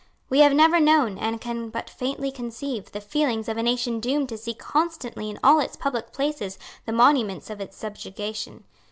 We have never known, and can but faintly conceive, the feelings of a nation doomed to see constantly in all its public places the monuments of its subjugation.